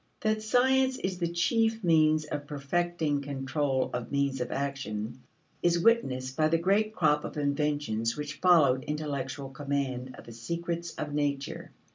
That science is the chief means of perfecting control of means of action is witnessed by the great crop of inventions which followed intellectual command of the secrets of nature.